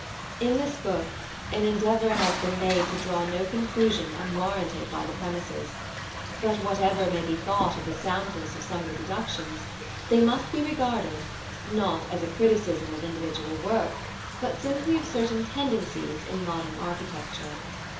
In this book, an endeavor has been made to draw no conclusion unwarranted by the premises; but whatever may be thought of the soundness of some of the deductions, they must be regarded, not as a criticism of individual work, but simply of certain tendencies in modern architecture.